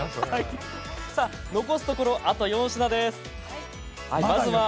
残すところあと４品です。